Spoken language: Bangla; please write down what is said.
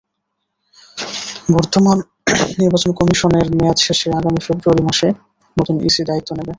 বর্তমান নির্বাচন কমিশনের মেয়াদ শেষে আগামী ফেব্রুয়ারি মাসে নতুন ইসি দায়িত্ব নেবে।